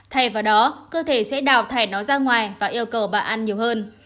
thay vào đó cơ thể sẽ đào thẻ nó ra ngoài và yêu cầu bạn ăn nhiều hơn